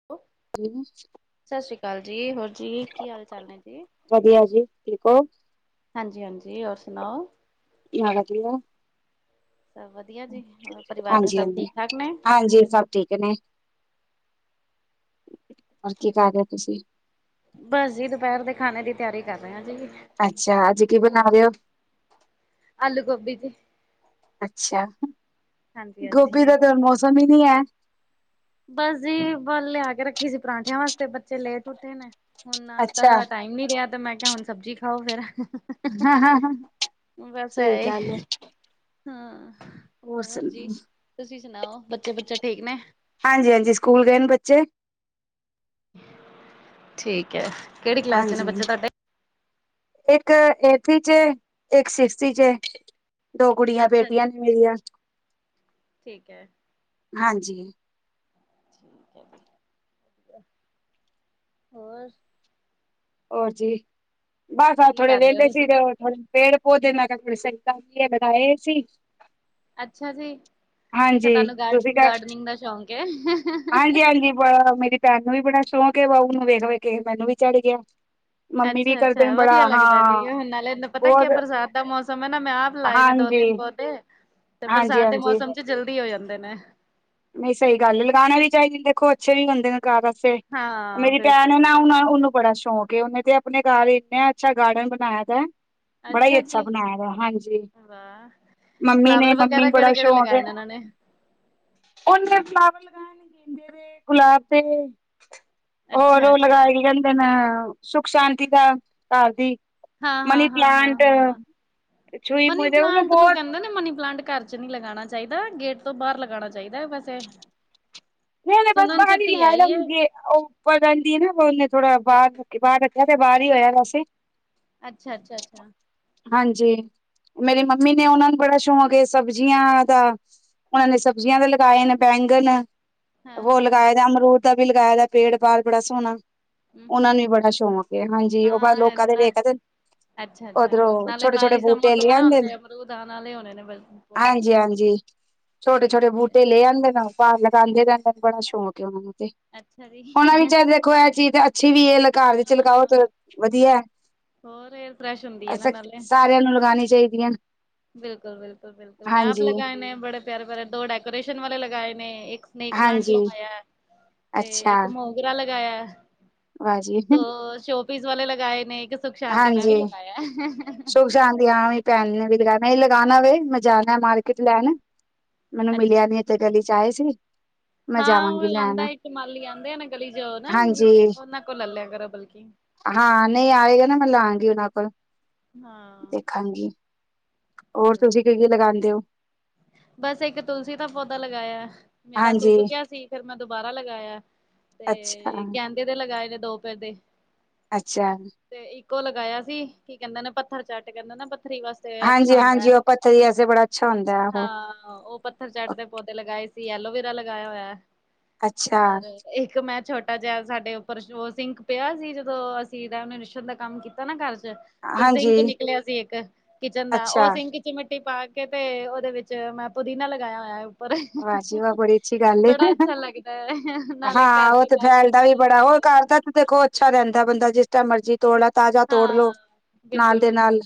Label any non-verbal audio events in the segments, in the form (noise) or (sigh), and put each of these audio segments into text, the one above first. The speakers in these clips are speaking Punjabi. (unintelligible) (unintelligible) ਸਸ ਸ੍ਰੀ ਕਾਲ ਜੀ, ਹੋਰ ਜੀ ਕੀ ਹਾਲ ਚਾਲ ਨੇ ਜੀ। ਵੱਧੀਆ ਜੀ, ਠੀਕ ਓ। ਹਾਂਜੀ-ਹਾਂਜੀ ਹੋਰ ਸੁਨਾਓ। (inaudible) ਸਭ ਵਧੀਆ ਜੀ, ਹੋਰ ਪਰਿਵਾਰ ਚ ਹਾਂਜੀ ਸਭ ਹਾਂਜੀ ਠੀਕ-ਠਾਕ ਨੇ। ਹਾਂਜੀ, ਸਭ। ਠੀਕ ਹੇਨੇ, ਹੋਰ ਕੀ ਕਰ ਰਹੇ ਹੋ ਤੁਸੀਂ। ਬਸ ਜੀ ਦੁਪਹਿਰ ਦੇ ਖਾਣੇ ਦੀ ਤਿਆਰੀ ਕਰ ਰਹੇ ਹਾਂ ਜੀ। ਅੱਛਾ, ਅੱਜ ਕੀ ਬਣਾ ਰਹੇ ਹੋ। ਆਲੂ-ਗੋਭੀ ਜੀ। ਅੱਛਾ ਹਂ, ਗੋਭੀ ਹਾਂਜੀ-ਹਾਂਜੀ, ਦਾ ਤੇ ਮੌਸਮ ਹੀ ਨਹੀਂ ਹੈ। ਬਸ ਜੀ ਬੱਲ ਲਿਆ ਕੇ ਰੱਖੀ ਸੀ ਪਰਾਂਠਿਆਂ ਵਾਸਤੇ, ਬੱਚੇ ਲੇਟ ਉੱਠੇ ਨੇ ਹੁਣ ਨਾਸ਼ਤਾ ਅੱਛਾ ਦਾ ਟਾਈਮ ਨਹੀ ਰਿਹਾ, ਤੇ ਮੈਂ ਕਿਹਾ ਹੁਣ ਸਬਜ਼ੀ ਖਾਓ ਫੇਰ ਹ ਹਹ। ਹਂ ਹਂ ਹਂ ਸਹੀ ਐ ਗੱਲ ਏ। ਹਾਂ ਹੋਰ ਜੀ ਤੁਸੀਂ ਸੁਣਾਓ ਬੱਚੇ-ਬੱਚੇ ਠੀਕ ਨੇ। ਹਾਂਜੀ-ਹਾਂਜੀ ਸਕੂਲ ਗਏ ਨੇ ਬੱਚੇ। ਠੀਕ ਹੈ। ਹਾਂਜੀ ਇੱਕ ਏਥ ਇਚ ਏ ਇੱਕ ਸਿਕਸ ਇਚ ਏ। ਦੋ ਕੁੜੀਆ ਅੱਛਾ ਬੇਟੀਆ ਜੀ, ਨੇ ਮੇਰੀਆ ਠੀਕ ਐ। ਹਾਂਜੀ। ਠੀਕ ਹੈ ਜੀ। ਹੋਰ ਹੋਰ ਜੀ ਬਸ ਕੀ ਥੋੜੇ ਕਰ ਰਹੇ ਹੋ ਵਿਹਲੇ ਸੀ ਤੁਸੀਂ? ਤੇ ਥੋੜੇ ਪੇੜ-ਪੋਧੇ ਮੈਂ ਕਿਹਾ ਥੋੜੇ ਸਹੀ ਕਰ ਲੀਏ ਲਗਾਏ ਹੋਏ ਸੀ। ਅੱਛਾ ਜੀ। ਅੱਛਾ ਹਾਂਜੀ ਤੁਹਾਨੂੰ ਤੁਸੀਂ ਗ ਕਰ ਗਾਰਡਨਿੰਗ ਦਾ ਸ਼ੌਂਕ ਹੈ। ਤੈਨੂੰ ਵੀ ਬੜਾ ਸ਼ੌਂਕ ਏ ਬਸ ਉਹਨੂੰ ਵੇਖ-ਵੇਖ ਮੈਨੂੰ ਵੀ ਚੜ੍ਹ ਗਿਆ। ਮੰਮੀ ਵੀ ਕਰਦੇ ਅੱਛਾ-ਅੱਛਾ ਨੇ ਬੜਾ ਵਧੀਆ ਲੱਗਦਾ ਹਾਂ ਜੀ ਹੁਣ ਨਾਲੇ ਇਹਨੂੰ ਪਤਾ ਕਿ ਬਹੁਤ ਹੈ ਬਰਸਾਤ ਦਾ ਮੌਸਮ ਹੈ ਨਾ ਮੈਂ ਆਪ ਲਾਏ ਨੇ ਦੋ ਹਾਂਜੀ ਤਿੰਨ ਪੌਦੇ ਤੇ ਹਾਂਜੀ ਬਰਸਾਤ ਦੇ ਹਾਂਜੀ ਮੌਸਮ ਚ ਜਲਦੀ ਹੋ ਜਾਂਦੇ ਨੇ। ਨਹੀਂ ਸਹੀ ਗੱਲ ਏ ਲਗਾਉਣਾ ਵੀ ਚਾਹੀਦੀ ਦੇਖੋ ਅੱਛੇ ਵੀ ਹੁੰਦੇ ਨੇ। ਘਰ ਆਸੇ ਵਸੇ ਹਾਂ ਮੇਰੀ ਭੈਣ ਬਿਲਕੁਲ ਨੇ ਬਿਲਕੁਲ ਨਾ ਉਹਨੂੰ ਬੜਾ ਸ਼ੌਕ ਏ ਉਹਨੇ ਆਪਣੇ ਘਰ ਇੰਨੇ ਅੱਛਾ ਗਾਰਡਨ ਬਣਾਇਆ ਦਾ। ਬੜਾ ਹੀ ਅੱਛਾ ਬਣਾਇਆ ਦਾ ਹਾਂਜੀ। ਵਾਹ। ਮੰਮੀ ਨੇ ਫਲਾਵਰ ਮੰਮੀ ਵਗੈਰਾ ਨੂੰ ਬੜਾ ਕਿਹੜੇ ਕਿਹੜੇ ਸ਼ੌਕ ਹੈ। ਲਗਾਏ ਨੇ ਉਹਨਾਂ ਨੇ ਉਹਨੇ ਨੇ ਫਲਾਵਰ ਲਗਾਏ ਨੇ ਗੇਂਦੇੇ ਦੇ, ਗੁਲਾਬ ਦੇ। ਹੋਰ ਅੱਛਾ ਉਹ ਅੱਛਾ ਲਗਾਏ ਕੇ ਕਹਿੰਦੇ ਨੇ, ਸੁਖ- ਸ਼ਾਂਤੀ ਦਾ ਘਰ ਦੀ। ਹਾਂ- ਮਨੀ ਹਾਂ- ਹਾਂ -ਹਾਂ- ਪਲਾਂਟ ਹਾਂ ਮਨੀ ਪਲਾਂਟ ਨੂੰ ਕਹਿੰਦੇ ਨੇ ਮਨੀ ਪਲਾਂਟ ਕਰ। ਨਹੀਂ ਲਗਾਉਣਾ ਚਾਹੀਦਾ ਗੇਟ ਤੋਂ ਬਾਹਰ ਲਗਾਉਣਾ ਚਾਹੀਦਾ ਵੈਸੇ। ਨਹੀ- ਨਹੀ, ਬਸ ਬਾਹਰ ਹੀ ਲਖਾਇਆ ਮੁਝੇ। ਉਹ ਉੱਪਰ ਰਹਿੰਦੀ ਨਾ ਉਹਨੇ ਥੋੜਾ ਬਾਹਰ ਬਾਹਰ ਰੱਖਿਆ ਤੇ ਬਾਰ ਹੀ ਹੋਇਆ ਵਾਸੇ। ਅੱਛਾ- ਅੱਛਾ -ਅੱਛਾ। ਹਾਂਜੀ। ਮੇਰੀ ਮੰਮੀ ਨੇ ਨੇ ਉਹਨਾਂ ਨੂੰ ਬੜਾ ਸ਼ੌਂਕ ਏ ਸਬਜ਼ੀਆਂ ਦਾ, ਉਹਨਾਂ ਨੇ ਸਬਜ਼ੀਆਂ ਦੇ ਲਗਾਏ ਨੇ ਬੈਗਣ ਹਾਂ ਉਹ ਹਾਂ ਹਾਂ ਲਗਾਏ ਦਾ ਅਮਰੂਦ ਦਾ ਵੀ ਲਗਾਏ ਦਾ ਪੇੜ ਬਾਰ ਬੜਾ ਸੋਹਣਾ। ਹਮ ਉਹਨਾ ਹਮ ਨੂੰ ਵੀ ਬੜਾ ਸ਼ੌਕ ਹਾਂਜੀ। ਉਹ ਹਾਂ ਲੋਕਾਂ ਦੇ ਨਾ ਵੇਖਦੇ‌‌ ਅੱਛਾ ਅੱਛਾ ਉਓਧਰੋਂ ਨਾਲੇ ਛੋਟੇ- ਛੋਟੇ ਬਾਰਿਸ਼ ਦਾ ਬੂਟੇ ਮੌਸਮ ਲੈ ਹੈ ਨਾ ਹੁਣ ਆਦੇ ਨੇ, ਤੇ ਅਮਰੂਦ ਆਣ ਵਾਲੇ ਹੋਣੇ ਨੇ ਪੌਦਿਆਂ ਨੂੰ ਹਾਂਜੀ- ਹਾਂਜੀ। ਛੋਟੇ- ਠੀਕ ਛੋਟੇ ਹੈ ਬੂਟੇ ਲੈ ਜਾਂਦੇ ਨੇ, ਉਹ ਭਾਰ ਲਗਾਉਦੇ ਰਹਿੰਦੇ ਨੇ, ਬੜਾ ਸ਼ੌਕ ਉਹ ਨੂੰ ਤੇ। ਅੱਛਾ ਜੀ। ਹੁਣ ਵੀ ਚਾਹ ਦੇਖੋ, ਇਹ ਚੀਜ਼ ਤਾਂ ਅੱਛੀ ਵੀ ਹੈ, ਲ ਘਰ ਦੇ ਚ' ਲਗਾਓ ਹਾਂ ਤੇ ਵਧੀਆ। ਹੋਰ ਏਅਰ ਫਰੈਸ਼ ਹੁੰਦੀ ਹੈ ਨਾ ਅੱਛਾ। ਸਾਰਿਆਂ ਨੂੰ ਲਗਣੀ ਚਾਹੀਦੀਆਂ। ਬਿਲਕੁਲ-ਬਿਲਕੁਲ-ਬਿਲਕੁਲ, ਮੈਂ ਆਪ ਲਗਾਏ ਨੇ, ਬੜੇ ਪਿਆਰੇ ਪਿਆ ਦੋ ਡੈਕੋਰੇਸ਼ਨ ਵਾਲੇ ਲਗਾਏ ਨੇ ਇੱਕ ਸਨੇਕ ਪਲਾਂਟ ਹਾਂਜੀ ਲਵਾਇਆ, ਤੇ ਅੱਛਾ ਇੱਕ ਮੋਗਰਾ ਲਗਾਇਆ। ਵਾਹ ਜੀ ਸ਼ੋਪੀਸ ਵਾਲੇ ਲਗਾਏ, ਨੇ ਇੱਕ ਸੁਖ- ਸ਼ਾਂਤੀ ਮੈਂ ਵੀ ਲਗਾਇਆ। ਖਸ਼ ਆਂਦੀ ਹਾਂ ਵੀ ਭੈਣ ਨੇ ਵੀ ਲਗਾਣਾ ਲਗਾਉਣਾ ਵੇ, ਮੈਂ ਜਾਣਾ ਮਾਰਕੀਟ ਲੈਣ। ਮੈਨੂੰ ਅੱਛਾ ਮਿਲੀਆਂ ਨਹੀਂ ਅੱਛਾ ਇਥ ਗਲੀ ਚ' ਆਏ ਸੀ। ਮੈਂ ਹਾਂ। ਜਾਵਾਂਗੀ ਉਹ ਆਉਂਦਾ ਲੈਣ ਇੱਕ ਮਾਲੀ ਆਉਂਦੇ ਆ ਨਾ ਗਲੀ ਜਾ ਨਾ, ਹਾਂਜੀ ਉਹਨਾਂ ਕੋਲ ਲੈ ਲਿਆ ਕਰੋ ਬਲਕਿ ਹਾਂ। ਨਹੀਂ ਆਵੇਗਾ ਨਾ ਮੈਂ ਲਾ ਆਾਂਗੀ ਉਹਨਾਂ ਕੋਲ। ਹਾਂ। ਹਾਂਜੀ। ਹੋਰ ਤੁਸੀਂ ਕੀ ਲਗਾਉਦੇ ਹੋ? ਬਸ ਇੱਕ ਤੁਲਸੀ ਦਾ ਪੌਦਾ ਲਗਾਇਆ, ਮੇਰਾ ਹਾਂਜੀ ਸੁੱਕ ਕਿਆ ਸੀ। ਫੇਰ ਮੈਂ ਦੁਬਾਰਾ ਲਗਾਇਆ, ਅੱਛਾ ਤੇ ਕਹਿੰਦੇ ਦੇ ਲਗਾਏ ਨੇ ਦੋ ਪਿਧੇ ਦੇ। ਅੱਛਾ। ਤੇ ਇੱਕੋ ਲਗਾਇਆ ਸੀ, ਕੀ ਕਹਿੰਦੇ ਨੇ ਪੱਥਰ ਚੱਟ, ਕਹਿੰਦੇ ਨਾ ਪੱਥਰੀ ਵਾਸਤੇ। ਅੱਛਾ ਹਾਂਜੀ- ਹੁੰਦਾ ਹੈ ਹਾਂਜੀ। ਉਹ ਪੱਥਰ ਦੀ ਐਸੇ ਬੜਾ ਅੱਛਾ ਹੁੰਦਾ ਉਹ ਹਾਂ। ਉਹ ਪੱਥਰ ਚੱਟ ਦੇ ਪੌਦੇ ਲਗਾਏ ਸੀ, ਐਲੋਵਰਾ ਲਗਾਇਆ ਹੋਇਆ। ਅੱਛਾ ਰ ਇੱਕ ਮੈ ਚ ਜ ਸਾਡੇ ਉੱਪਰ ਉਹ ਸਿੰਘਕ ਪਿਆ ਸੀ, ਜਦੋਂ ਅਸੀਂ ਉਹਨੇ ਰਿਸ਼ ਦਾ ਕੰਮ ਕੀਤਾ ਨਾ ਘਰ ਚ' ਤੇ ਸਿੰਕ ਹਾਂਜੀ ਨਿਕਲਿਆ ਸੀ, ਇੱਕ ਕਿਚਨ ਦਾ ਉਹ ਅੱਛਾ ਸਿੰਕ ਚ' ਮਿੱਟੀ ਪਾ ਕੇ ਤੇ ਦੇ ਵਿੱਚ ਮੈਂ ਪੁਦੀਨਾ ਲਗਾਇਆ ਹੋਇਆ। ਪਰ ਵਾਹ ਜੀ ਵਾਹ ਬੜੀ ਅੱਛੀ ਗੱਲ ਏ। ਬੜਾ ਅੱਛਾ ਲੱਗਦਾ ਹੈ, ਨਾਲੇ ਹਾਂ ਉਹ ਕਰਦੀ ਤੇ ਤਾਜ਼ੀ ਫੈਲਦਾ ਚੀਜ ਵੀ ਬੜਾ ਹੋਰ ਦੇਖੋ। ਘਰ ਦੇਖੋ ਅੱਛਾ ਰਹਿੰਦਾ ਬੰਦਾ ਜਿਸ ਟਾਈਮ ਮਰਜ਼ੀ ਤੋੜਾ, ਤਾਜ਼ਾ ਤੋੜ ਲੋੋ, ਹਾਂ ਨਾਲ ਬਿਲਕੁਲ ਦੇ ਬਿਲਕੁਲ ਨਾਲ।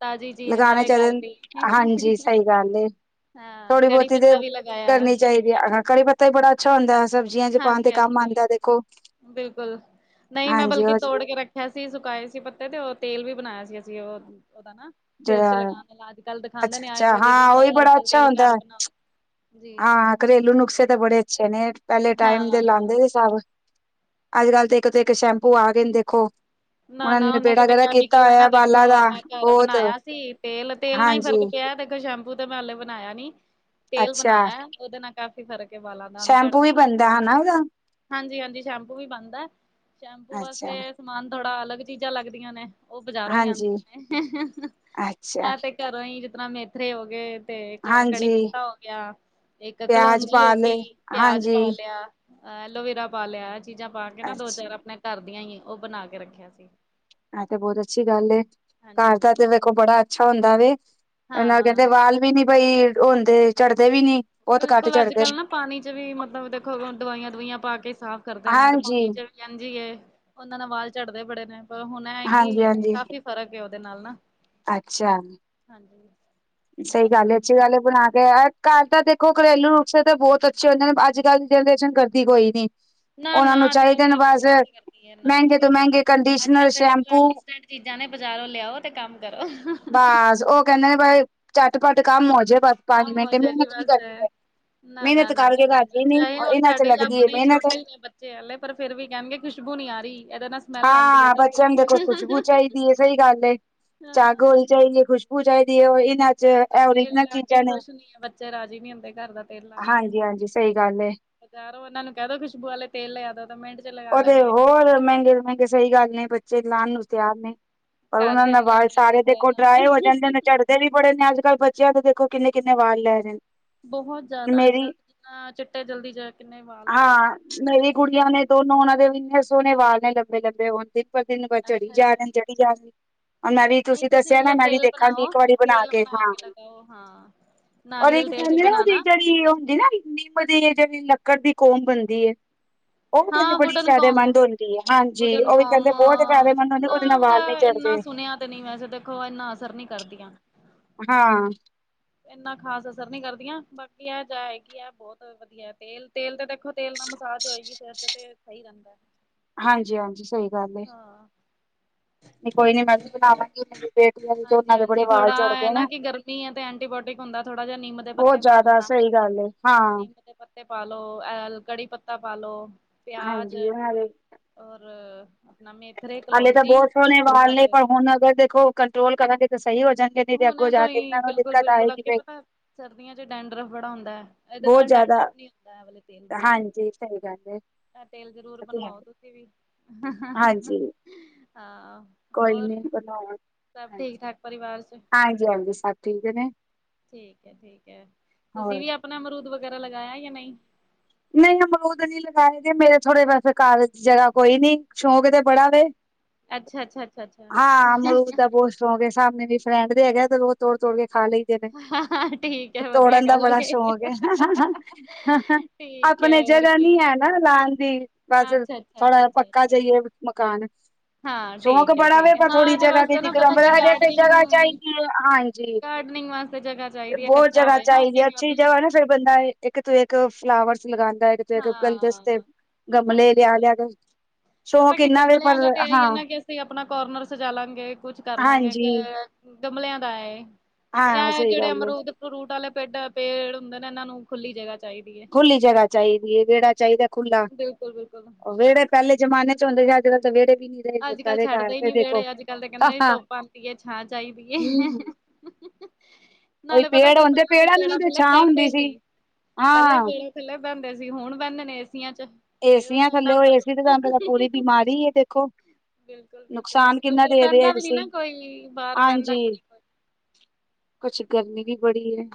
ਤਾਜ਼ੀ ਚੀਜ਼ ਲਗਾਉਣੇ ਨਾਲੇ ਚਾਹੀਦੇ, ਘਰ ਦੀ ਹਾਂਜੀ, ਸਹੀ ਗੱਲ ਏ। ਹਾਂ। ਥੋੜ੍ਹੀ ਕੜੀ ਬਹੁਤੀ ਤੇ ਪੱਤਾ ਵੀ ਲੱ ਕਰਨੀ ਚਾਹੀਦੀ ਹੈ, ਘੜੀ ਪੱਤਾ ਵੀ ਬੜਾ ਅੱਛਾ ਹੁੰਦਾ ਹੈ, ਸਭ ਹਾਂਜੀ-ਹਾਂਜੀ, ਬਿਲਕੁਲ ਨਹੀਂ ਮੈਂ ਹਾਂਜੀ ਬਲਕਿ ਉਹ ਤੋੜ ਕੇ ਰੱਖ ਛਸੀ ਸੁਕਾਏ ਸੀ, ਪੱਤੇ ਤੇ ਉਹ ਤੇਲ ਵੀ ਬਣਾਇਆ ਸੀ ਅਸੀਂ ਉਹ ਉਹਦਾ ਨਾ ਸਿਰ ਚ' ਜਿਹੜਾ ਲਗਾਉਣਾ, ਅੱਜ-ਕੱਲ੍ਹ ਤਾਂ ਖਾਂਦਾ ਅੱਛਾ ਨ ਅੱਛਾ ਆਯੁਰਵੈਦਿਕ ਹਾਂ ਉਹੀ ਬੜਾ ਹਰਬਲ ਅੱਛਾ ਤੇਲ ਹੁੰਦਾ ਘਰ ਬਣ, ਹਾਂ ਘਰੇਲੂ ਨੁਸਖੇ ਤਾਂ ਬੜੇ ਅੱਛੇ ਨੇ, ਪਹਿਲੇ ਟਾਈਮ ਦੇ ਹਾਂ ਲਾਦੇ ਸੀ ਸਭ। ਅੱਜ-ਕੱਲ੍ਹ ਤੇ ਇੱਕ ਤੇ ਇੱਕ ਸ਼ੈਂਪੂ ਆ ਗਏ ਨੇ ਦੇਖੋ। ਨਾ- ਨਾ ਨੇ ਉਹਨਾਂ ਨਿਬੇੜਾ ਚ' ਤੇ ਵਗੈਰਾ ਕੀਤਾ ਕੈਮੀਕਲ ਨੇ ਨਾ ਹੋਇਆ ਦੇਖੋ, ਬਾਲਾਂ ਦਾ ਆਪਾਂ ਘਰ ਬਹੁਤ ਬਣਾਇਆ ਸੀ ਤੇਲ। ਤੇਲ ਨਾਲ ਹੀ ਹਾਂਜੀ ਫ਼ਰਕ ਪਿਆ ਦੇਖੋ, ਸ਼ੈਂਪੂ ਤੇ ਮੈਂ ਹੇ ਬਣਾਇਆ ਨੀ, ਤੇਲ ਅੱਛਾ ਬਣਾਇਆ ਉਹਦੇ ਨਾਲ। ਕਾਫੀ ਫਰਕ ਹੈ ਬਾਲਾਂ ਦਾ, ਉਹਨੂੰ ਸ਼ੈਂਪੂ ਝੜਨੇ ਵੀ ਘੱਟ ਬਣਦਾ ਹੋ। ਹਨਾ ਉਹਦਾ ਹਾਂਜੀ-ਹਾਂਜੀ ਸ਼ੈਂਪੂ ਵੀ ਬਣਦਾ, ਸ਼ੈਂਪੂ ਅੱਛਾ ਵਾਸਤੇ ਸਮਾਨ ਥੋੜਾ ਅਲੱਗ ਚੀਜ਼ਾਂ ਲੱਗਦੀਆਂ, ਨੇ ਉਹ ਬਜ਼ਾਰੋਂ ਹੀ ਹਾਂਜੀ ਆਉਂਦੀਆਂ ਅੱਛਾ ਨੇ, ਤੇ ਘਰੋਂ ਹੀ ਜਿਤਰ ਮੇਥਰੇ ਹੋ ਗਏ। ਤੇ, ਇੱਕ ਕੜੀ ਹਾਂਜੀ ਪੱਤਾ ਹੋ ਗਿਆ, ਇੱਕ ਪਿਆਜ ਕਲੋਂਜੀ ਹੋ ਪਾ ਲਏ ਗਈ, ਪਿਆਜ ਹਾਂਜੀ ਪਾ ਲਿਆ। ਐਲੋਵੇਰਾ ਪਾ ਲਿਆ, ਐ ਚੀਜ਼ਾਂ ਪਾ ਕੇ ਨਾ ਅੱਛਾ ਦੋ-ਚਾਰ ਆਪਣੇ ਘਰ ਦੀਆਂ ਹੀ, ਉਹ ਬਣਾ ਕੇ ਰੱਖਿਆ ਸੀ। ਐ ਤੇ ਬੋਤ ਅੱਛੀ ਗੱਲ ਏ, ਘਰ ਦਾ ਤੇ ਹਾਂਜੀ-ਹਾਂਜੀ। ਵੇਖੋ ਬੜਾ ਅੱਛਾ ਹੁੰਦਾ ਵੇ ਇਹਨਾਂ ਕਹਿੰਦੇ ਹਾਂ। ਵਾਲ ਵੀ ਨੀ ਬਈ, ਓ ਹੁੰਦੇ ਝੜ੍ਹਦੇ ਵੀ ਨੀ, ਬਹੁਤ ਘੱਟ ਬਿਲਕੁਲ, ਅੱਜ ਝੜਦੇ ਕੱਲ੍ਹ ਨੇ। ਨਾ ਪਾਣੀ ਚ ਵੀ, ਮਤਲਬ ਦੇਖੋ, ਦਵਾਈਆਂ-ਦਵੁਈਆਂ ਪਾ ਕੇ ਸਾਫ਼ ਕਰਦੇ ਨੇ, ਤੇ ਹਾਂਜੀ ਪਾਣੀ ਚ ਵੀ ਯਜੀ ਏ, ਉਹਨਾਂ ਨਾ ਵਾਲ ਝੜਦੇ ਬੜੇ ਨੇ, ਪਰ ਹੁਣ ਐ ਈ ਕੀ, ਹਾਂਜੀ ਹਾਂਜੀ ਕਾਫੀ ਫਰਕ ਏ, ਉਹਦੇ ਨਾਲ ਨਾ, ਅੱਛਾ। ਹਾਂਜੀ। ਸਹੀ ਬਹੁਤ ਗੱਲ ਐ, ਅਛੀ ਆਰਾਮ ਗੱਲ ਏ (unintelligible) ਘਰ ਤਾਂ ਦੇਖੋ ਘਰੇਲੂ ਨੁਖਸੇ ਤੇ ਬੋਤ ਅੱਛੇ ਹੁੰਦੇ ਨੇ ਅੱਜ ਕੱਲ੍ਹ ਦੀ ਜਨਰੇਸ਼ਨ ਕਰਦੀ ਕੋਈ ਨੀ। ਨਾ ਉਹਨਾਂ ਨਾ ਨੂੰ ਅੱਜ ਕੱਲ ਚਾਹੀਦੇ ਦੀ ਨੇ ਜਨਰੇਸਨ ਬਸ ਕਿਥੇ ਕਰਦੀ ਏ ਏਨਾ ਮਹਿੰਗੇ ਤੋਂ ਕੁਛ। ਮਹਿੰਗੇ ਅੱਜ ਕੰਡੀਸ਼ਨਰ ਕੱਲ ਤੇ ਜੀ ਸ਼ੈਂਪੂ ਤਿੰਨ ਚੀਜ਼ਾਂ ਨੇ ਬਾਜ਼ਾਰੋਂ ਲਿਆਓ ਤੇ ਕੰਮ ਕਰੋ ਹ ਹ ਬਸ ਉਹ ਕਹਿੰਦੇ ਨੇ ਬਈ ਝਟ ਪੱਟ ਕੰਮ ਹੋ ਜੇ ਬਸ ਪੰਜ ਕੰਮ ਹੋ ਮਿੰਟ ਜੇ ਜੀ ਮਿਹਨਤ ਨੀ ਬਸ ਕਰਨੀ ਪਏ। ਮਿਹਨਤ ਕਰਕੇ ਨਾ-ਨਾ-ਨਾ-ਨਾ-ਨਾ-ਨਾ ਰਾਜੀ ਨੀ ਜੀ ਚਾਹੇ ਹੋਰ ਹੁਣ ਇਹਨਾਂ ਚ ਸਾਡੇ ਲੱਗਦੀ ਏ ਆਪਣੇ ਮਿਹਨਤ ਛੋਟੇ ਈ ਨੇ ਬੱਚੇ ਹਲੇ ਪਰ ਫੇਰ ਵੀ ਕਹਿਣਗੇ ਖੁਸ਼ਬੂ ਨੀ ਆ ਰਹੀ ਇਹਦੇ ਨਾਲ ਸਮੈਲ ਆਂਦੀ ਐ ਹਾਂ ਜੀ ਸਿਰ ਬੱਚਿਆਂ ਤੇ ਚ ਖੁਸ਼ਬੂ ਚਾਹੀਦੀ ਹੈ ਸਹੀ ਗੱਲ ਏ ਚਾਗੋ ਹਾਂ ਨੇ ਚਾਹੀਦੀ ਖੁਸ਼ਬੂ ਚਾਹੀਦੀ ਇਹ ਵਾਲੀ (unintelligible) ਘਰ ਦਾ ਤੇਲ ਲਾ ਕੇ ਖੁਸ਼ ਨੀ ਏ ਬੱਚੇ ਰਾਜ਼ੀ ਨਹੀਂ ਹੁੰਦੇ ਘਰ ਦਾ ਤੇਲ ਲਾ ਕੇ ਹਾਂਜੀ ਹਾਂਜੀ ਸਹੀ ਗੱਲ ਹੈ ਬਜਾਰੋ, ਉਹਨਾਂ ਨੂੰ ਕਹਿ ਦੋ ਖੁਸ਼ਬੂ ਆਲੇ ਤੇਲ ਲਿਆਦੋ, ਤ ਮਿੰਟ ਚ ਲਗਾ ਉਹਦੇ, ਲੈਣਗੇ। ਹੋਰ ਮਹਿੰਗੇ-ਮਹਿੰਗੇ ਸਹੀ ਗੱਲ ਨੇ ਬੱਚੇ ਲਾਣ ਨੂੰ ਤਿਆਰ ਨੇ, ਪਰ, ਘਰ ਉਹਨਾਂ ਦੇ ਨਾ ਨੀ ਵਾਲ ਲਾਣੀਆਂ ਸਾਰੇ ਦੇ ਚੀਜ਼ਾਂ ਕੋ ਇਹਨਾਂ ਡਰਾਏ ਹੋ ਜਾਂਦੇ ਨੇ, ਝੜ ਵੀ ਬੜੇ ਨੇ ਅੱਜ-ਕੱਲ ਬੱਚਿਆਂ ਦੇ ਦੇਖੋ ਕਿੰਨੇ-ਕਿੰਨੇ ਵਾਰ ਲੈ ਰਹੇ ਨੇ। ਬਹੁਤ ਜਾਦਾ ਮੇਰੀ ਅੱਜ-ਕੱਲ ਜਿੰਨਾ ਚਿੱਟੇ ਜਲਦੀ, ਜਾ ਕਿੰਨੇ ਵਾਲ ਹੋ ਰਹੇ ਹਾਂ ਨੇ ਹਾ ਮੇਰੀ ਕੁੜੀਆਂ ਨੇ ਦੋਨੋ ਉਹਨਾਂ ਦੇ ਵੀ ਇੰਨੇ ਸੋਹਣੇ ਵਾਲ ਨੇ, ਲੰਬੇ-ਲੰਬੇ ਹੋਣ ਦਿਨ ਪਰ ਦਿਨ ਝੜੀ ਅੱਛਾ ਜੀ ਜਾ ਰੇ ਚੜੀ ਜਾ ਰੇ ਮੈਂ ਵੀ, ਨਹੀਂ ਤੁਸੀਂ ਦੱਸਿਆ ਨਾ, ਇਹ ਮੈਂ ਵੀ ਤੇਲ ਦੇਖਾਂਗੀ ਬਣਾਓ ਇੱਕ ਵਾਰੀ ਬਨਾ ਤੇਲ ਕੇ ਬਣਾ ਹਾਂ। ਲਗਾਓ ਹਾਂ ਔਰ ਇਹ ਨਾਰੀਅਲ ਤੇਲ ਚ ਕਹਿੰਦੇ ਨਾ, ਉਹਦੀ ਬਣਾਣਾ ਜਿਹੜੀ ਉਹ ਹੁੰਦੀ ਨਾ, ਨਿੰਮ ਦੀ ਜਿਹੜੀ, ਲੱਕੜ ਦੀ ਕੋਮ ਬਣਦੀ ਏ। ਹਾਂ ਵੁਡਨ ਕਮ, ਹੁੰਦੀ ਹੈ ਹਾਂਜੀ ਵੁਡਨ ਉਹ ਵੀ ਕੌਮ, ਕਹਿੰਦੇ ਬਹੁਤ ਫਾਇਦੇਮੰਦ ਹੁੰਦੀ ਉਹਦੇ ਨਾ ਨਾਲ ਉਹਦਾ ਵਾਲ ਨੀ ਇੰਨਾ ਝੜਦੇ ਸੁਣਿਆ ਨੀ ਵੈਸੇ ਦੇਖੋ, ਇੰਨਾ ਅਸਰ ਨੀ ਕਰਦੀਆਂ। ਹਾਂ। ਇੰਨਾ ਖਾਸ ਅਸਰ ਨੀ ਕਰਦੀਆਂ, ਬਾਕੀ ਇਹ ਜਾ ਐ ਕੀ ਐ ਬਹੁਤ, ਵਧੀਆ ਐ ਤੇਲ-ਤੇਲ ਤੇ ਦੇਖੋ ਤੇਲ ਨਾ ਮਸਾਜ ਹੋਏਗੀ, ਫਿਰ ਤੇ ਤੇ ਸਹੀ ਰੈਂਦਾ ਐ। ਹਾਂਜੀ-ਹਾਂਜੀ ਸਹੀ ਗੱਲ ਏ। ਨਹੀਂ ਕੋਈ ਨੀ ਮੈਂ ਵੀ ਬਿਲਕੁਲ ਬਣਾਵਾਂਗੀ, ਬੇਟੀਆਂ ਤੇ ਓਨਾ ਦੇ ਬੜੇ ਵਾਲ ਝੜਦੇ ਨੇ। ਮੀ ਤੇ ਐਂਟੀਬਾਇਓਟਿਕ ਹੁੰਦਾ ਥੋੜਾ ਜਿਆ ਨਿੰਮ ਦੇ ਬਹੁਤ ਪੱਤੇ ਪਾ ਜ਼ਿਆਦਾ ਲੈਣਾ। ਸਹੀ ਗੱਲ ਏ ਹਾਂ ਨਿੰਮ ਦੇ ਪੱਤੇ- ਪੱਤੇ ਪਾ ਲਓ। ਐ ਕੜੀ ਪੱਤਾ ਪਾ ਲੋ। ਪਿਆਜ ਹਾਂਜੀ ਉਹਨਾਂ ਦੇ ਔਰ- ਆਪਣਾ ਮੇਥਰੇ, ਕਲੋਂਜੀ ਪਰਲੇ ਪਰ ਹੁਣ ਅਗਰ ਦੇਖੋ ਕੰਟਰੋਲ ਕਰਾਂਗੇ ਤਾਂ ਸਹੀ ਹੋ ਜਾਂ ਗੇ ਕਦੀ ਤੇ ਅੱਗੋਂ ਹੁਣੇ ਜਾ ਤੋਂ ਕੇ ਈ ਇਹਨਾਂ ਨੂੰ ਦਿੱਕਤ ਬਿਲਕੁਲ-ਬਿਲਕੁਲ ਆਏਗੀ ਅੱਗੇ ਬ ਪਤਾ ਸਰਦੀਆਂ ਚ ਡੈਂਡ ਡਰਫ ਬੜਾ ਹੁੰਦਾ ਐ ਇਹਦੇ ਬਹੁਤ ਨਾਲ ਜ਼ਿਆਦਾ ਡੈਂਡਰਫ ਨਹੀਂ ਹੁੰਦਾ ਇਹ ਵਾਲੇ ਤੇਲ ਨਾਲ ਨਾ ਹਾਂਜੀ ਸਹੀ ਗੱਲ ਏ ਇਹ ਤੇਲ ਜ਼ਰੂਰ ਇਹ ਤੇ ਹੈ ਬਣਵਾਓ ਤੁਸੀਂ ਵੀ ਹ ਹਾਂਜੀ ਹ ਕੋਈ ਨੀ ਬਣਾਵਾਂ ਗੇ ਸਭ ਠੀਕ ਠਾਕ ਪਰਿਵਾਰ ਚ ਸਭ ਠੀਕ ਨੇ ਠੀਕ ਹੈ ਠੀਕ ਹੈ ਤੁਸੀਂ ਹੋਰ ਵੀ ਅਪ ਆਪਣਾ ਅਮਰੂਦ ਵਗੈਰਾ ਲਗਾਇਆ ਜਾਂ ਨਹੀਂ ਨਹੀਂ ਅਮਰੂਦ ਨਈ ਲਗਾਏ ਗੇ ਮੇਰੇ ਥੋੜੇ ਵੈਸੇ ਘਰ ਚ ਜਗ੍ਹਾ ਕੋਈ ਨੀ ਸ਼ੌਂਕ ਤੇ ਬੜਾ ਵੇ। ਅੱਛਾ ਅੱਛਾ ਅੱਛਾ ਅੱਛਾ ਹ ਹ ਸੌ ਕੇ ਸਾਹਮਨੇ ਵੀ ਫਰੈਂਡ ਦੇ ਹੈਗੇ ਤੇ ੳਹ ਤੋੜ ਤੋੜ ਕੇ ਖਾ ਲਈ ਹਾਂ, ਠੀਕ ਐ ਵਧੀਆ ਤੋੜਨ ਦਾ ਗੱਲ ਬੜਾ ਏ, ਸ਼ੌਕ ਹ ਹ ਠੀਕ ਆਪਣੇ ਐ ਹੋਰ ਜਗ੍ਹਾ ਨੀ ਕੀ। ਹੈ ਨਾ ਲਉਣ ਦੀ ਬਸ ਅੱਛਾ, ਅੱਛਾ, ਅੱਛਾ, ਥੋੜਾ ਅੱਛਾ, ਪੱਕਾ ਅੱਛਾ। ਜਾਈਏ ਮਕਾਨ ਹਾਂ ਸੌ਼ਕ ਠੀਕ ਐ, ਬੜਾ ਵੇ ਠੀਕ ਐ ਪਰ ਹਾਂ ਥੋੜ੍ਹੀ ਇਹਦੇ ਜਗਾ ਦੀ ਵਾਸਤੇ ਨਾ ਦਿੱਕਤ ਏ ਪਤਾ ਪਰ ਕੀ ਅਜੇ ਤੇ ਗਾਰਡਨਿੰਗ ਜਗਾ ਚਾਹੀਦੀ ਏ ਹਾਂ ਜੀ ਗਾਰਡਨਿੰਗ ਵਾਸਤੇ ਜਗ੍ਹਾ ਚਾਹੀਦੀ ਐ ਬਹੁਤ ਕੱਚਾ ਜਗ੍ਹਾ ਹੋਏ ਨਾ ਅੱਗੇ ਚਾਹੀਦੀਆਂ ਅੱਛੀ ਕਾਫੀ ਜਗ੍ਹਾ ਨਾ ਫੇਰ ਬੰਦਾ ਏਕ ਤੋ ਏਕ ਫਲਾਵਰਸ ਲਗਾਂਦਾ ਹੈ। ਤੇ ਗੁਲਦਸਤੇ ਹਾਂ। ਗਮਲੇ ਲਿਆ ਅੱਛਾ। ਲਿਆ ਕੇ ਪਤਾ ਸ਼ੌਕ ਕੀ ਇੰਨਾ ਵੇ ਗਮਲਿਆਂ ਪਰ ਦਾ ਤੇ ਇ ਹੀ ਹਾਂ ਹੈ ਨਾ ਕਿ ਅਸੀਂ ਆਪਣਾ ਕੋਰਨਰ ਸਜਾ ਲਾਂਗੇ ਕੁਛ ਕਰ ਲਾਂਗੇ ਹਾਂਜੀ ਗਮਲਿਆਂ ਦਾ ਏ ਹਾਂ ਆ ਸਹੀ ਜੇੜੇ ਗੱਲ ਹੈ। ਅਮਰੂਦ ਫਰੂਟ ਵਾਲੇ ਪੇਡ ਪੇੜ ਹੁੰਦੇ ਨੇ ਇਹਨਾਂ ਨੂੰ ਖੁੱਲੀ ਜਗ੍ਹਾ ਚਾਹੀਦੀ ਐ ਖੁੱਲੀ ਜਗ੍ਹਾ ਚਾਹੀਦੀ ਹੈ ਵਿਹੜਾ ਚਾਹੀਦਾ ਖੁਲਾ ਬਿਲਕੁਲ, ਬਿਲਕੁਲ। ਔ ਵਿਹੜੇ ਪਹਿਲੇ ਜਮਾਨੇ ਚ ਹੁੰਦੇ ਸੀ। ਅੱਜ-ਕੱਲ ਤਾਂ ਵਿਹੜੇ ਵੀ ਨੀ ਆ। ਅੱਜ ਕੱਲ੍ਹ ਛੱਡਦੇ ਈ ਨੀ ਵਿਹੜੇ, ਅੱਜ ਕੱਲ ਤਾਂ ਕਹਿੰਦੇ ਹਾਂ ਨੇ ਧੁੱਪ ਆਂਦੀ ਏ, ਛਾਂ ਚਾਈਦੀ ਏ। ਹਮ (inaudible) ਉਹੀ ਨਾਲੇ ਪਤਾ ਪੇੜ ਕੀ ਹੁੰਦੇ ਪਹਿਲਾਂ ਤੇ ਪੇੜਾਂ ਨੂੰ ਵੀ ਪੇੜਾ ਥਲੇ ਛਾਂ ਹੁੰਦੀ ਪੈਂਦੇ ਸੀ। ਪਹਿਲੇ ਹਾਂ ਪੇੜ ਥੱਲੇ ਬਹਿੰਦੇ ਸੀ। ਹੁਣ ਬੈਂਦੇ ਨੇ ਏਸੀਆਂ ਚ ਏਸੀਆਂ ਥੱਲੇ ਉਹ ਏਸੀ ਤੇ ਤੁਹਾਨੂੰ ਪਤਾ ਪੂਰੀ (unintelligible) ਬਿਮਾਰੀ ਦੇਖੋ। ਬਿਲਕੁਲ-ਬਿਲਕੁਲ ਨੁਕਸਾਨ ਅੱਜ-ਕੱਲ ਕਿੰਨਾ ਫਿਰ ਦੇ ਰਹੇ ਬਹਿੰਦਾ ਵੀ ਨੀ ਅਸੀਂ ਨਾ ਕੋਈ, ਬਾਹਰ ਬਹਿੰਦਾ ਹਾਂਜੀ ਵੀ ਨੀ ਕੋਈ। ਕੁਛ, ਗਰਮੀ ਵੀ ਬੜੀ ਐ।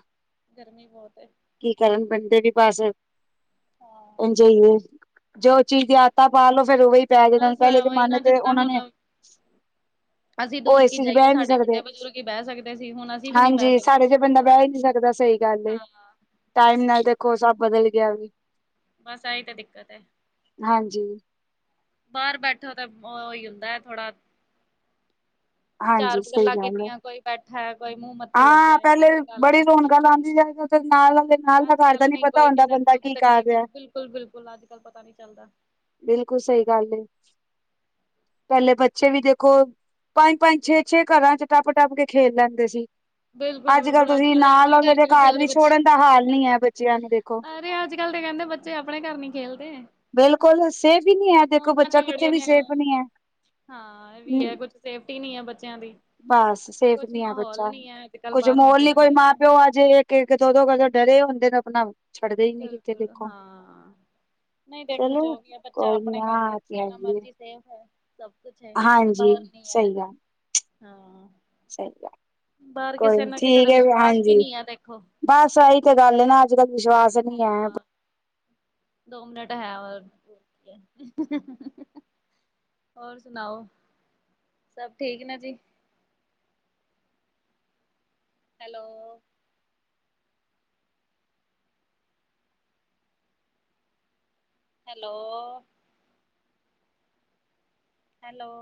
ਗਰਮੀ ਬੋਤ ਏ। ਕੀ ਕਰਨ ਬੰਦੇ ਵੀ ਬਸ ਹਾਂ, ੳਂਜੇ ਈ ਨੇ। ਜੋੇ ਉਹ ਚੀਜ਼ ਦੀਆਂ ਆਤਾਂ ਪਾ ਲੋੋ ਫੇਰ ਉਹ ਹੀ ਪੈ ਜਾਂਦਾ ਬਸ ਪਹਿਲੇ ਵਹੀ ਨਾ ਜਮਾਨੇ ਜਿਸ ਤੇ ਤਰ੍ਹਾਂ ਉਹਨਾਂ ਨੇ ਹੁਣ ਅਸੀਂ ਉਹ ਦੂਰ ਏ ਕੀ ਸੀ ਚ ਜਾਈਏ ਬਹਿ ਨੀ ਸਾਡੇ ਸਕਦੇ ਵੱਡੇ ਬਜ਼ੁਰਗ ਹੀ ਬਹਿ ਸਕਦੇ ਸੀ ਹੁਣ ਅਸੀਂ ਵੀ ਨੀ ਬਹਿ ਹਾਂਜੀ ਸਕਦੇ ਸਾਡੇ ਚ ਦੇਖੋ ਬੰਦਾ ਬਾਹਰ ਬਹਿ ਹੀ ਨੀ ਸਕਦਾ ਸਹੀ ਗੱਲ ਏ ਹਾਂ ਟਾਈਮ ਨਾਲ ਦੇਖੋ ਸਭ ਬਦਲ ਗਿਆ ਵੀ ਬਸ ਆਹੀ ਤਾਂ ਦਿੱਕਤ ਐ ਹਾਂਜੀ ਬਾਹਰ ਬੈਠੋ ਤੇ ਉਹੀ ਹੁੰਦਾ ਐ ਥੋੜਾ ਚਾਰ ਹਾਂਜੀ ਸਹੀ ਗੱਲਾਂ ਗੱਲ ਹੈ ਕੀਤੀਆਂ ਕੋਈ ਬੈਠਾ ਕੋਈ ਮੂੰਹ ਮੱਥੇ ਹਾਂ ਲੱਗਿਆ ਪਹਿਲੇ ਕਿਸੇ ਨਾਲ ਬੜੀ ਗੱਲਬਾਤ ਹੋਈ ਰੌਣਕਾਂ ਐ ਲਾਉਂਦੀ ਜਾਏਗਾ ਤੇ ਨਾਲ ਵਾਲੇ ਨਾਲ ਦਾ ਅੱਜ ਘਰ ਦਾ ਕੱਲ ਨੀ ਨ ਪਤਾ ਕੋਈ ਹੁੰਦਾ ਕਿਸੇ ਦੇ ਬੰਦਾ ਦੁੱਖ ਕੀ ਕਰ ਤਕਲੀਫ਼ ਹੈ ਰਿਹਾ ਬਿਲਕੁਲ ਬਿਲਕੁਲ ਅੱਜ ਕੱਲ ਪਤਾ ਨੀ ਚੱਲਦਾ ਬਿਲਕੁਲ ਸਹੀ ਗੱਲ ਪਹਿਲੇ ਬੱਚੇ ਵੀ ਦੇਖੋ ਪੰਜ ਪੰਜ ਛੇ ਛੇ ਘਰਾਂ ਚ ਟੱਪ ਟੱਪ ਕੇ ਖੇਲ ਲੈਂਦੇ ਸੀ ਬਿਲਕੁਲ ਬਿਲਕੁਲ ਅੱਜ ਤੁਸੀਂ ਕੱਲ ਦੇ ਨਾਲ ਆਪਣੇ ਵਾਲੇ ਘਰ ਚ ਦੇ ਨਹੀਂ ਖੇਲਦੇ ਵੀ ਬੱਚੇ ਹੀ ਛੋੜਨ ਦਾ ਹਾਲ ਨੀ ਹੀ ਹੈ ਬੱਚਿਆਂ ਨੂੰ ਦੇਖੋ ਅਰੇ ਅੱਜ ਕੱਲ ਤਾਂ ਕਹਿੰਦੇ ਬੱਚੇ ਅਪਣੇ ਘਰ ਨੀ ਖੇਲਦੇ ਬਿਲਕੁਲ ਸੇਫ ਹੀ ਨਹੀਂ ਐ ਦੇਖੋ ਫੋਨਾਂ ਚ ਬੱਚਾ ਕਿੱਥੇ ਵੜੇ ਵੀ ਨੇ। ਸੇਫ ਈ ਨੀ ਐ ਹਾਂ ਇਹ ਵੀ ਹੈ ਕੁਛ ਸੇਫਟੀ ਨਹੀਂ ਹੈ ਬੱਚਿਆਂ ਦੀ ਬਸ ਸੇਫ ਕੁਛ ਨਹੀਂ ਹੈ ਮਾਹੌਲ ਬੱਚਾ ਨੀ ਹੈ ਅੱਜ ਕੱਲ (unintelligible) ਬਾਹਰ ਨਿਕਲਣ ਕੋਈ ਮਾਂ ਦਾ ਪਿਓ ਆਜੇ ਇੱਕ-ਇੱਕ, ਦੋ-ਦੋ ਕਦੋਂ ਡਰੇ ਹੁੰਦੇ ਨੇ ਆਪਣਾ। ਛੱਡਦੇ ਹੀ ਨੀ ਕਿਤੇ ਬਿਲਕੁਲ ਦੇਖੋ ਹਾਂ। ਨਹੀਂ, ਦੇਖੋ ਚਲੋ ਜੋ ਵੀ ਐ ਬੱਚਾ ਕੋਈ ਨੀ ਆਪਣੇ ਕਰਤੇ ਹਾਂ ਤੇ ਜਤਨਾ ਹੈਗੀ ਏ ਮਰਜ਼ੀ ਸੇਫ ਐ। ਸਭ ਕੁਛ ਹੈ, ਹਾਂਜੀ ਬਾਰ ਨੀ ਐ ਸਹੀ ਗੱਲ ਹਾਂ। ਸਹੀ ਗੱਲ ਬਾਰ ਕੋਈ ਕਿਸੇ ਨੀ ਨਾ ਕਿਸੇ ਤੇ ਠੀਕ ਹੈ ਵਿਸ਼ਵਾਸ, ਵੀ ਹਾਂਜੀ ਨੀ ਐ ਦੇਖੋ। ਬਸ, ਆਈ ਤੇ ਗੱਲ ਏ ਨਾ ਅੱਜ-ਕੱਲ ਵਿਸ਼ਵਾਸ ਨੀ ਹੈ ਹਾਂ, ਦੋ ਮਿੰਨਟ ਹੈ (unintelligible) ਔਰ ਸੁਣਾਓ, ਸਭ ਠੀਕ ਨੇ ਜੀ। Hello hello hello